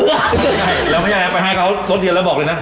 ใช่แล้วพายานแอบไปให้เค้าต้นเย็นแล้วบอกเลยนะ